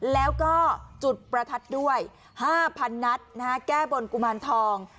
แล้วก็จุดประทัดด้วยห้าพันนัดนะคะแก้บนกุมารทอง